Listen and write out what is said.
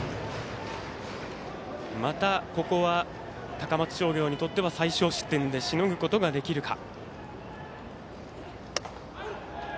また、ここは高松商業にとっては最少失点でしのぐことができるか。